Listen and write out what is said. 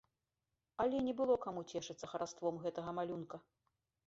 Але не было каму цешыцца хараством гэтага малюнка.